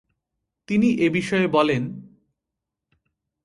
তিনি এ বিষয়ে বলেন-